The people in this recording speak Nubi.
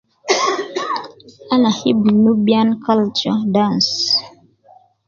Ana hibu nubian culture dance